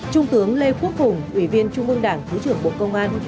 trung tướng lê quốc hùng ủy viên trung ương đảng thứ trưởng bộ công an